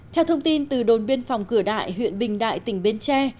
theo thông tin từ đồn biên phòng cửa đại huyện bình đại tỉnh bến tre